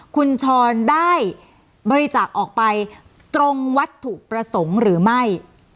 คุณชรได้บริจาคออกไปตรงวัตถุประสงค์หรือไม่